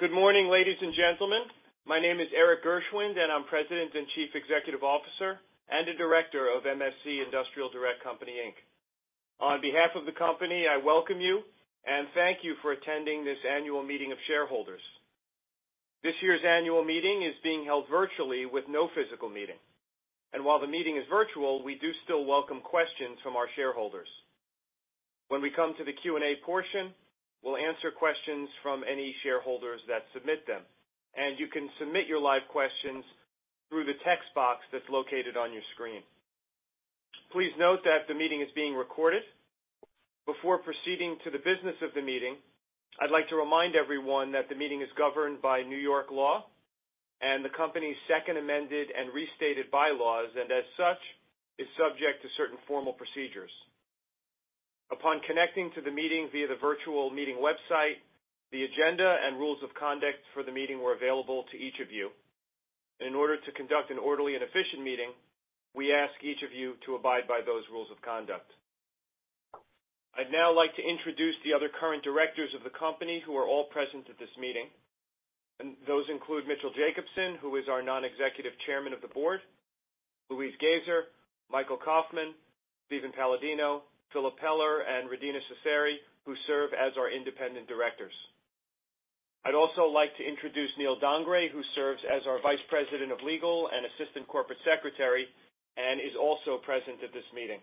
Good morning, ladies and gentlemen. My name is Erik Gershwind, and I'm President and Chief Executive Officer and a director of MSC Industrial Direct Co., Inc. On behalf of the company, I welcome you and thank you for attending this annual meeting of shareholders. This year's annual meeting is being held virtually with no physical meeting. While the meeting is virtual, we do still welcome questions from our shareholders. When we come to the Q&A portion, we'll answer questions from any shareholders that submit them, and you can submit your live questions through the text box that's located on your screen. Please note that the meeting is being recorded. Before proceeding to the business of the meeting, I'd like to remind everyone that the meeting is governed by New York law and the company's second amended and restated bylaws, and as such, is subject to certain formal procedures. Upon connecting to the meeting via the virtual meeting website, the agenda and rules of conduct for the meeting were available to each of you. In order to conduct an orderly and efficient meeting, we ask each of you to abide by those rules of conduct. I'd now like to introduce the other current directors of the company who are all present at this meeting. Those include Mitchell Jacobson, who is our Non-Executive Chairman of the Board, Louise Goeser, Michael Kaufmann, Steven Paladino, Philip Peller, and Rudina Seseri, who serve as our Independent Directors. I'd also like to introduce Neal Dongre, who serves as our Vice President, Legal, and Assistant Corporate Secretary and is also present at this meeting.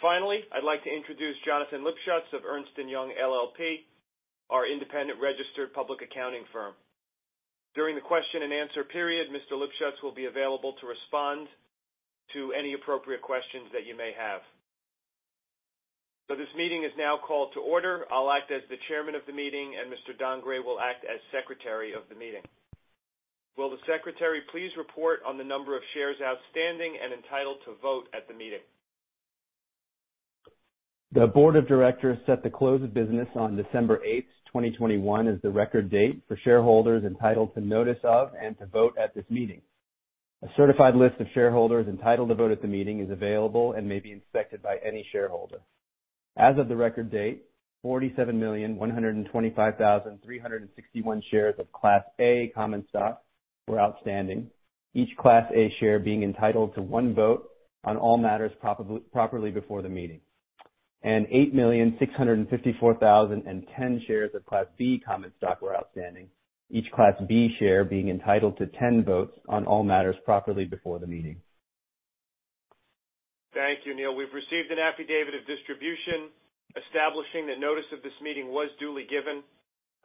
Finally, I'd like to introduce Jonathan Lipschutz of Ernst & Young LLP, our independent registered public accounting firm. During the question-and-answer period, Mr. Lipschutz will be available to respond to any appropriate questions that you may have. This meeting is now called to order. I'll act as the chairman of the meeting, and Mr. Dongre will act as secretary of the meeting. Will the secretary please report on the number of shares outstanding and entitled to vote at the meeting? The board of directors set the close of business on December 8, 2021 as the record date for shareholders entitled to notice of and to vote at this meeting. A certified list of shareholders entitled to vote at the meeting is available and may be inspected by any shareholder. As of the record date, 47,125,361 shares of Class A common stock were outstanding. Each Class A share being entitled to one vote on all matters properly before the meeting. 8,654,010 shares of Class B common stock were outstanding. Each Class B share being entitled to 10 votes on all matters properly before the meeting. Thank you, Neal. We've received an affidavit of distribution establishing that notice of this meeting was duly given.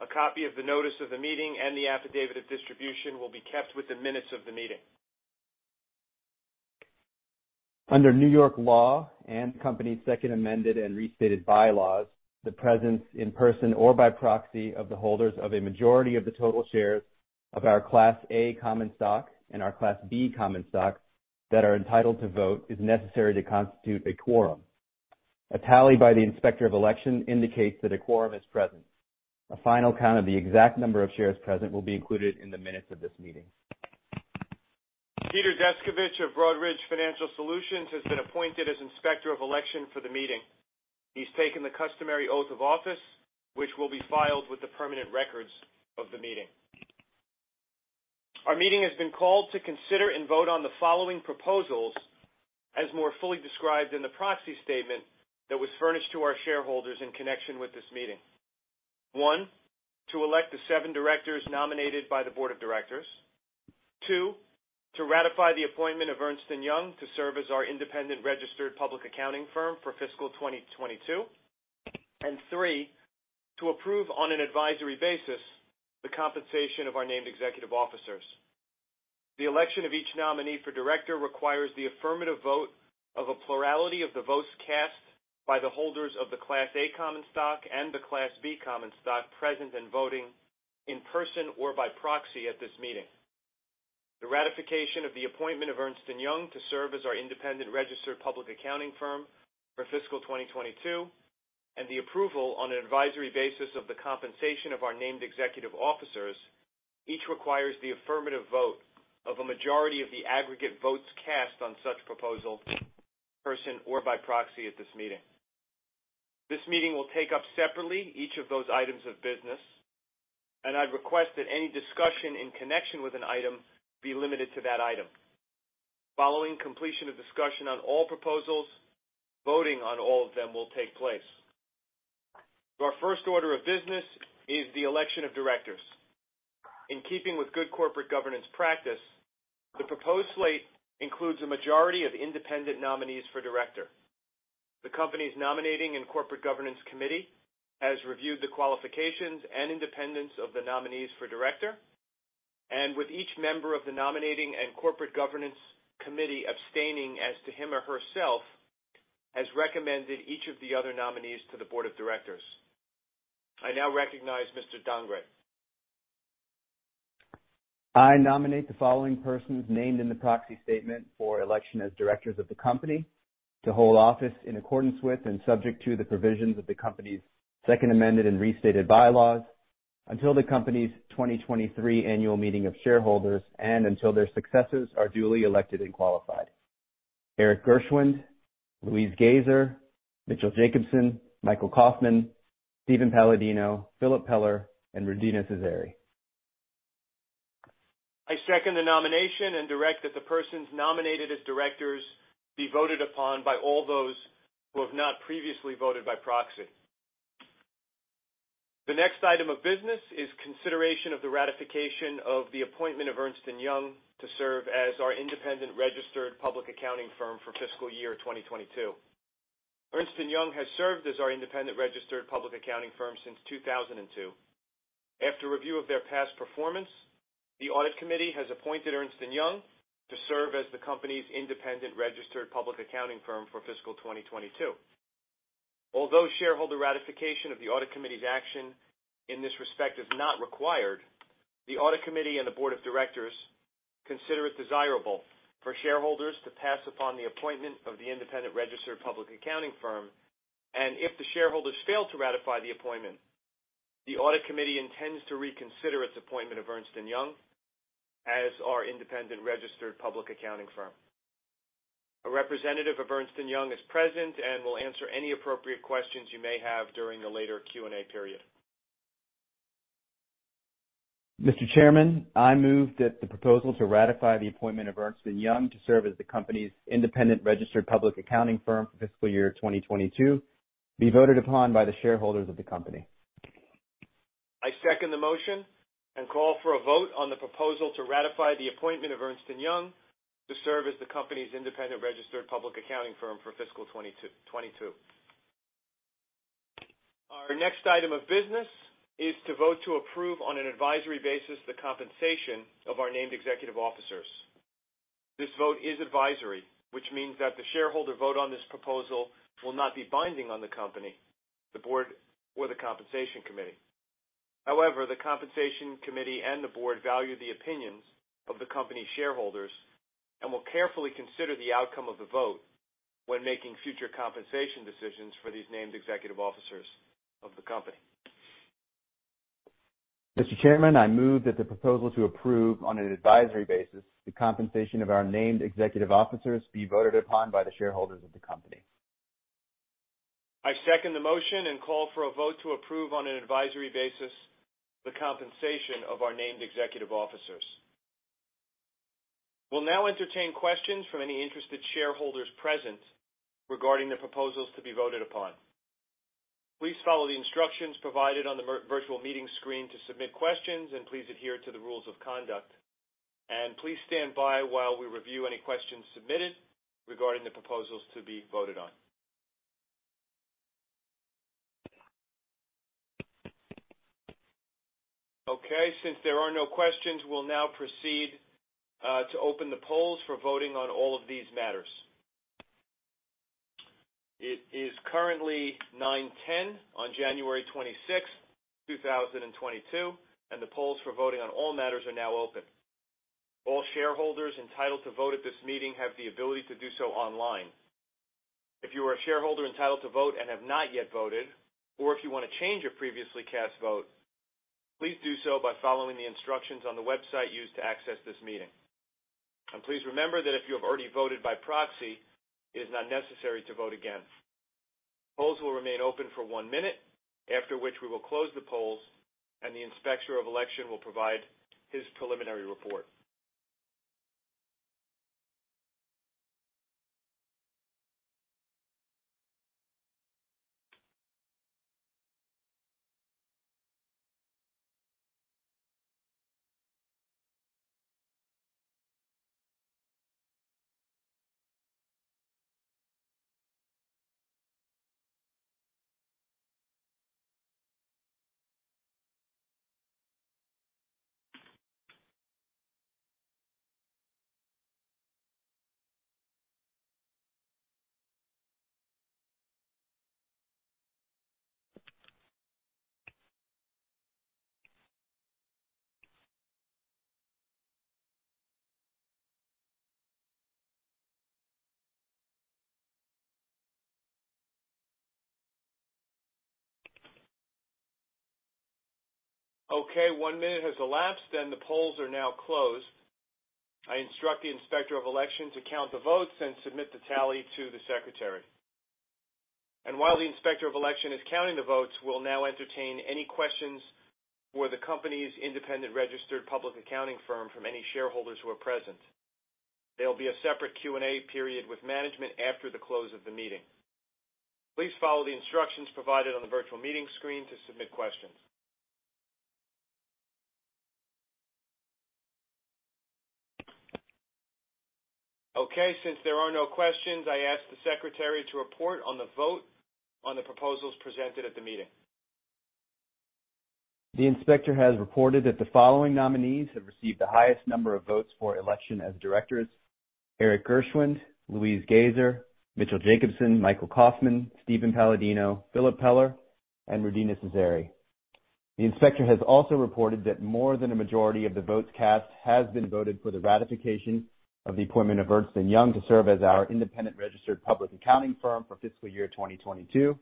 A copy of the notice of the meeting and the affidavit of distribution will be kept with the minutes of the meeting. Under New York law and the company's second amended and restated bylaws, the presence in person or by proxy of the holders of a majority of the total shares of our Class A common stock and our Class B common stock that are entitled to vote is necessary to constitute a quorum. A tally by the Inspector of Election indicates that a quorum is present. A final count of the exact number of shares present will be included in the minutes of this meeting. Peter Descovich of Broadridge Financial Solutions has been appointed as Inspector of Election for the meeting. He's taken the customary oath of office, which will be filed with the permanent records of the meeting. Our meeting has been called to consider and vote on the following proposals as more fully described in the proxy statement that was furnished to our shareholders in connection with this meeting. One, to elect the seven directors nominated by the board of directors. Two, to ratify the appointment of Ernst & Young to serve as our independent registered public accounting firm for fiscal 2022. Three, to approve on an advisory basis the compensation of our named executive officers. The election of each nominee for director requires the affirmative vote of a plurality of the votes cast by the holders of the Class A common stock and the Class B common stock present and voting in person or by proxy at this meeting. The ratification of the appointment of Ernst & Young to serve as our independent registered public accounting firm for fiscal 2022, and the approval on an advisory basis of the compensation of our named executive officers each requires the affirmative vote of a majority of the aggregate votes cast on such proposal in person or by proxy at this meeting. This meeting will take up separately each of those items of business, and I'd request that any discussion in connection with an item be limited to that item. Following completion of discussion on all proposals, voting on all of them will take place. Our first order of business is the election of directors. In keeping with good corporate governance practice, the proposed slate includes a majority of independent nominees for director. The company's Nominating and Corporate Governance Committee has reviewed the qualifications and independence of the nominees for director, and with each member of the Nominating and Corporate Governance Committee, abstaining as to him or herself, has recommended each of the other nominees to the board of directors. I now recognize Mr. Dongre. I nominate the following persons named in the proxy statement for election as directors of the company to hold office in accordance with and subject to the provisions of the company's second amended and restated bylaws until the company's 2023 annual meeting of shareholders and until their successors are duly elected and qualified. Erik Gershwind, Louise Goeser, Mitchell Jacobson, Michael Kaufmann, Steven Paladino, Philip Peller, and Rudina Seseri. I second the nomination and direct that the persons nominated as directors be voted upon by all those who have not previously voted by proxy. The next item of business is consideration of the ratification of the appointment of Ernst & Young to serve as our independent registered public accounting firm for fiscal year 2022. Ernst & Young has served as our independent registered public accounting firm since 2002. After review of their past performance, the Audit Committee has appointed Ernst & Young to serve as the company's independent registered public accounting firm for fiscal 2022. Although shareholder ratification of the Audit Committee's action in this respect is not required, the Audit Committee and the Board of Directors consider it desirable for shareholders to pass upon the appointment of the independent registered public accounting firm. If the shareholders fail to ratify the appointment, the Audit Committee intends to reconsider its appointment of Ernst & Young as our independent registered public accounting firm. A representative of Ernst & Young is present and will answer any appropriate questions you may have during the later Q&A period. Mr. Chairman, I move that the proposal to ratify the appointment of Ernst & Young to serve as the company's independent registered public accounting firm for fiscal year 2022 be voted upon by the shareholders of the company. I second the motion and call for a vote on the proposal to ratify the appointment of Ernst & Young to serve as the company's independent registered public accounting firm for fiscal 2022. Our next item of business is to vote to approve on an advisory basis the compensation of our named executive officers. This vote is advisory, which means that the shareholder vote on this proposal will not be binding on the company, the board, or the Compensation Committee. However, the Compensation Committee and the board value the opinions of the company's shareholders and will carefully consider the outcome of the vote when making future compensation decisions for these named executive officers of the company. Mr. Chairman, I move that the proposal to approve on an advisory basis the compensation of our named executive officers be voted upon by the shareholders of the company. I second the motion and call for a vote to approve on an advisory basis the compensation of our named executive officers. We'll now entertain questions from any interested shareholders present regarding the proposals to be voted upon. Please follow the instructions provided on the virtual meeting screen to submit questions. Please adhere to the rules of conduct. Please stand by while we review any questions submitted regarding the proposals to be voted on. Okay, since there are no questions, we'll now proceed to open the polls for voting on all of these matters. It is currently 9:10 A.M. on January 26th, 2022, and the polls for voting on all matters are now open. All shareholders entitled to vote at this meeting have the ability to do so online. If you are a shareholder entitled to vote and have not yet voted, or if you wanna change your previously cast vote, please do so by following the instructions on the website used to access this meeting. Please remember that if you have already voted by proxy, it is not necessary to vote again. Polls will remain open for one minute, after which we will close the polls and the Inspector of Election will provide his preliminary report. Okay, one minute has elapsed, and the polls are now closed. I instruct the Inspector of Election to count the votes and submit the tally to the Secretary. While the Inspector of Election is counting the votes, we'll now entertain any questions for the company's independent registered public accounting firm from any shareholders who are present. There will be a separate Q&A period with management after the close of the meeting. Please follow the instructions provided on the virtual meeting screen to submit questions. Okay, since there are no questions, I ask the Secretary to report on the vote on the proposals presented at the meeting. The inspector has reported that the following nominees have received the highest number of votes for election as directors. Erik Gershwind, Louise Goeser, Mitchell Jacobson, Michael Kaufmann, Steven Paladino, Philip Peller, and Rudina Seseri. The inspector has also reported that more than a majority of the votes cast has been voted for the ratification of the appointment of Ernst & Young to serve as our independent registered public accounting firm for fiscal year 2022.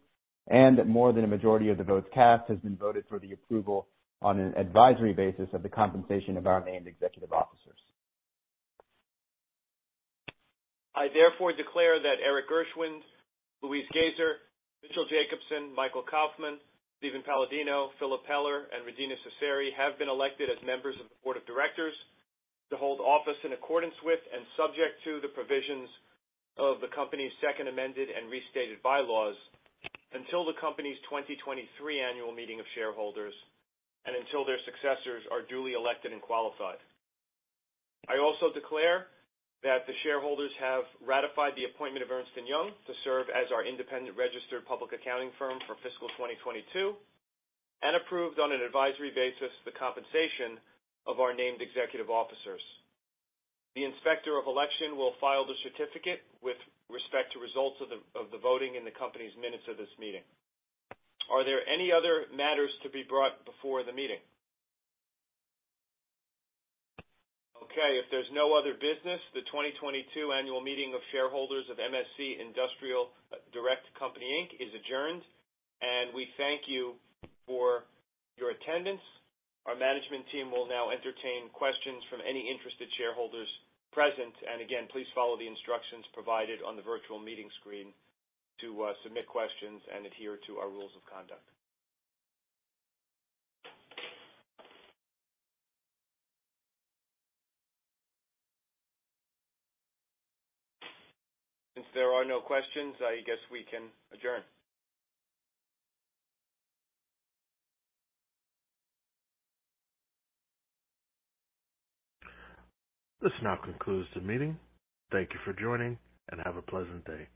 More than a majority of the votes cast has been voted for the approval on an advisory basis of the compensation of our named executive officers. I therefore declare that Erik Gershwind, Louise Goeser, Mitchell Jacobson, Michael Kaufmann, Steven Paladino, Philip Peller, and Rudina Seseri have been elected as members of the board of directors to hold office in accordance with and subject to the provisions of the company's second amended and restated bylaws until the company's 2023 Annual Meeting of Shareholders and until their successors are duly elected and qualified. I also declare that the shareholders have ratified the appointment of Ernst & Young to serve as our independent registered public accounting firm for fiscal 2022 and approved on an advisory basis the compensation of our named executive officers. The inspector of election will file the certificate with respect to results of the voting in the company's minutes of this meeting. Are there any other matters to be brought before the meeting? Okay. If there's no other business, the 2022 Annual Meeting of Shareholders of MSC Industrial Direct Co., Inc. is adjourned, and we thank you for your attendance. Our management team will now entertain questions from any interested shareholders present. Again, please follow the instructions provided on the virtual meeting screen to submit questions and adhere to our rules of conduct. Since there are no questions, I guess we can adjourn. This now concludes the meeting. Thank you for joining, and have a pleasant day.